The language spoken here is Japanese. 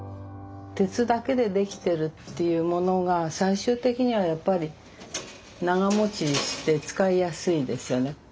鉄だけで出来てるっていうものが最終的にはやっぱり長持ちして使いやすいですよね。